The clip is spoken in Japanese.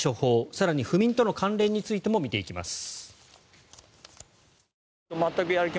更に、不眠との関連についても見ていきます。